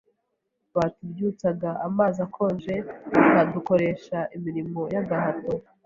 batubyutsaga amazi akonje bakadukoresh imirimo y’gahato